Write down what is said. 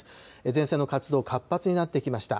前線の活動、活発になってきました。